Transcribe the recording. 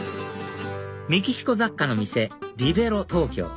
メキシコ雑貨の店ＶＩＶＥＲＯＴＯＫＹＯ